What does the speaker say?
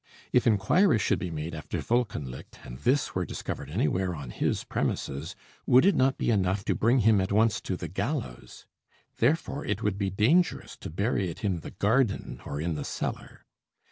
If inquiry should be made after Wolkenlicht, and this were discovered anywhere on his premises, would it not be enough to bring him at once to the gallows? Therefore it would be dangerous to bury it in the garden, or in the cellar.